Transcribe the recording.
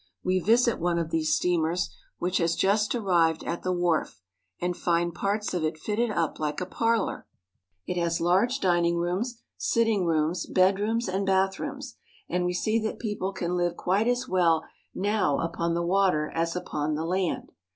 We visit one of these steamers, which has just arrived at the wharf, and find parts of it fitted up like a parlor. It has large CARP. N. AM. — t; 72 NEW YORK. dining rooms, sitting rooms, bedrooms, and bathrooms, and we see that people can Hve quite as well now upon the water as upon the land.